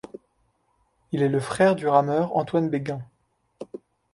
Il est le frère du rameur Antoine Béghin.